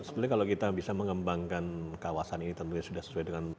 sebenarnya kalau kita bisa mengembangkan kawasan ini tentunya sudah sesuai dengan